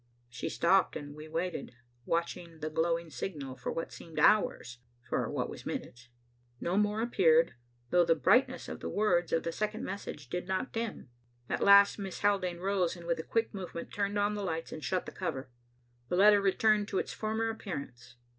She stopped and we waited, watching the glowing signal for what seemed hours, for what was minutes. No more appeared, though the brightness of the words of the second message did not dim. At last Miss Haldane rose and with a quick movement turned on the lights and shut the cover. The letter returned to its former appearance.